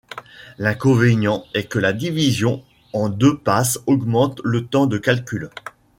L'inconvénient est que la division en deux passes augmente le temps de calcul.